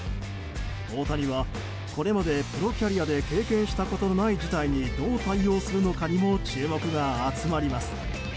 大谷はこれまでプロキャリアで経験したことない事態にどう対応するのかにも注目が集まります。